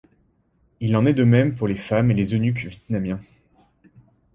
Il en est de même pour les femmes et les eunuques vietnamiens.